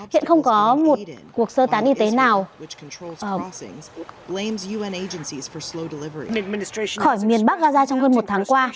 hiện không có một cuộc sơ tán y tế nào khỏi miền bắc gaza trong hơn một tháng qua